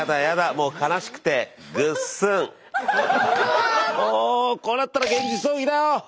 もうもうこうなったら現実逃避だよ。